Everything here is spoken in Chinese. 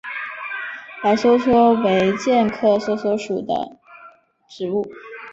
白梭梭为苋科梭梭属的植物。